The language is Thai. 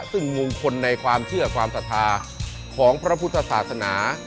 ซึ่งมงคลในความเชื่อความศรัทธาของพระพุทธศาสนา